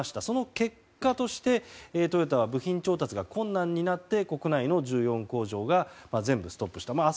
その結果としてトヨタは部品調達が困難になって国内の１４工場が全部ストップした。